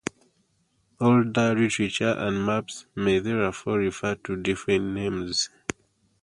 Older literature and maps may therefore refer to different names.